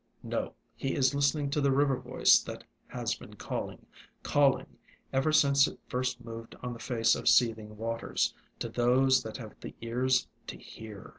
No: he is listening to the river voice that has been calling, calling, ever since it first moved on the face of seething waters, to those that have ALONG THE WATERWAYS 35 the ears to* hear.